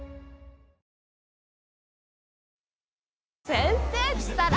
先生ったら！